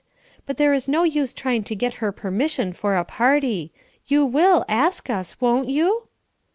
But there is no use trying to get her permission for a party. You will ask us, won't you?"